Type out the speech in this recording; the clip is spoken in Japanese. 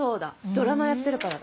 ドラマやってるからだ。